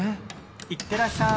いってらっしゃい！